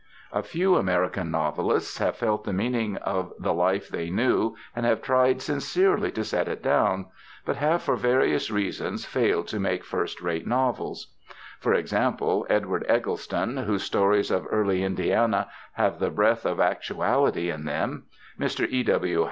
A few American novelists have felt the meaning of the life they knew and have tried sincerely to set it down, but have for various reasons failed to make first rate novels; for example, Edward Eggleston, whose stories of early Indiana have the breath of actuality in them; Mr. E. W.